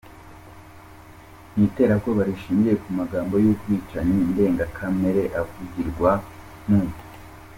n’iterabwoba rishingiye ku magambo y’ubwicanyi ndengakamere avugirwa mu